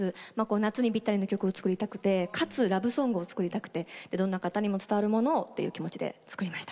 夏にぴったりの曲を作りたくてかつラブソングを作りたくてどんな方にも伝わるものをという気持ちで作りました。